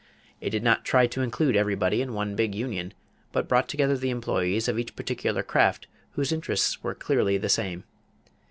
It did not try to include everybody in one big union but brought together the employees of each particular craft whose interests were clearly the same.